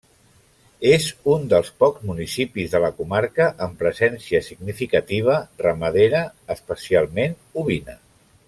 És un dels pocs municipis de la comarca amb presència significativa ramadera, especialment ovina.